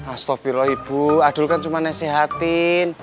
astaghfirullahaladzim adul kan cuma nasehatin